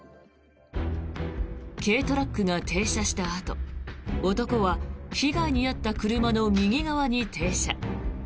軽トラックが停車したあと、男は被害に遭った車の右側に停車。